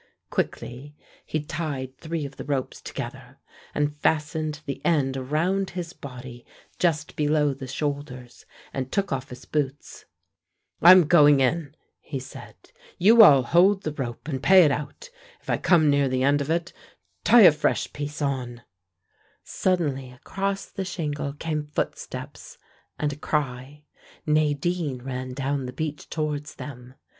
Quickly he tied three of the ropes together, and fastened the end round his body just below the shoulders, and took off his boots. "I'm going in," he said; "you all hold the rope and pay it out. If I come near the end of it, tie a fresh piece on " Suddenly across the shingle came footsteps, and a cry. Nadine ran down the beach towards them.